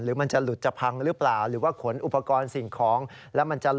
หรือมันจะหลุดจะพังหรือเปล่า